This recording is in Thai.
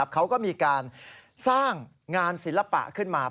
เขาก็มีการสร้างงานศิลปะขึ้นมา